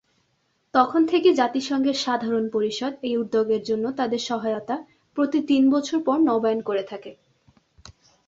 তখন থেকে জাতিসংঘের সাধারণ পরিষদ এই উদ্যোগের জন্য তাদের সহায়তা প্রতি তিন বছর পর নবায়ন করে থাকে।